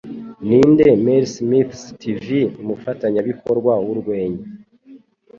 Ninde Mel Smiths Tv Umufatanyabikorwa Wurwenya